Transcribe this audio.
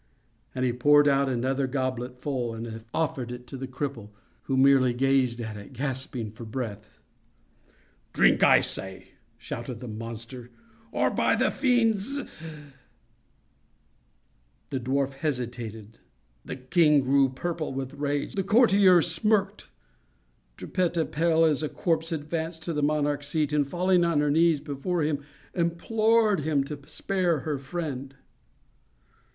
and he poured out another goblet full and offered it to the cripple, who merely gazed at it, gasping for breath. "Drink, I say!" shouted the monster, "or by the fiends—" The dwarf hesitated. The king grew purple with rage. The courtiers smirked. Trippetta, pale as a corpse, advanced to the monarch's seat, and, falling on her knees before him, implored him to spare her friend.